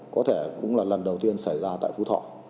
có thể cũng là lần đầu tiên xảy ra tại phú thọ